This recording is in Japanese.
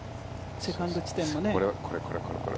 セカンド地点もね。